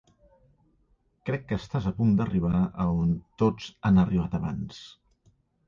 Crec que estàs a punt d'arribar a on... tots han arribat abans.